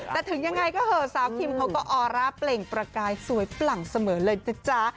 แต่ถึงยังไงก็เหอะสาวคิมเขาก็ออร่าเปล่งประกายสวยปลั่งเสมอเลยนะจ๊ะ